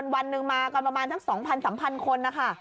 วันหนึ่งมากันประมาณสัก๒๐๐๓๐๐คนนะคะ